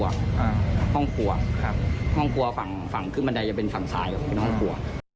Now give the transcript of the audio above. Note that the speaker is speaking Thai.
ครับห้องครัวฝั่งฝั่งขึ้นบันไดจะเป็นฝั่งซ้ายของคุณห้องครัว